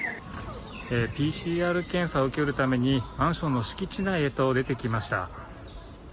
ＰＣＲ検査を受けるために、マンションの敷地内へと出てきました。